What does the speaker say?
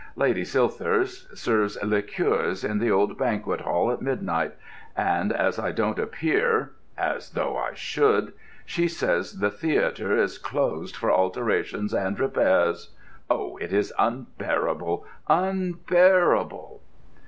Lady Silthirsk serves liqueurs in the old Banquet Hall at midnight, and as I don't appear,—as though I should!—she says the theatre, is closed for alterations and repairs. Oh, it is unbearable, unbearable!"